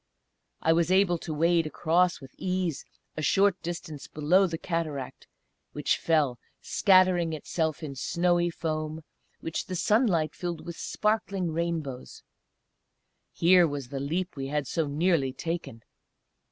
I was able to wade across with ease a short distance below the cataract, which fell, scattering itself in snowy foam, which the sunlight filled with sparkling rainbows. Here was the leap we had so nearly taken!